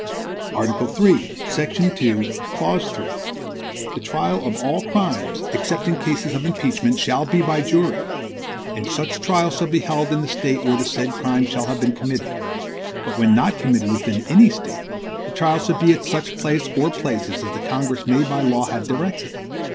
Article 3, section 2, clause 3 "The trial of all crimes, except in cases of impeachment, shall be by jury; and such trial shall be held in the State where the said crimes shall have been committed; but when not committed within any State, the trial shall be at such place or places as the Congress may by law have directed."